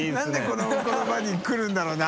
この言葉にくるんだろうな。